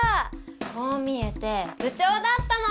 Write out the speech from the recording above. こう見えてぶちょうだったの！